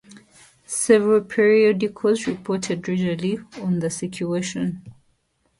Several periodicals reported regularly on the situation.